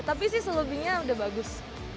tapi sih selebihnya udah bagus